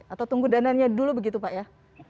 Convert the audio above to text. atau tunggu dana nya dulu begitu pak ya